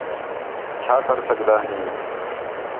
چَھا کر سڳدا ہیں